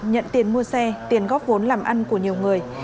nhận tiền mua xe tiền góp vốn làm ăn của nhiều người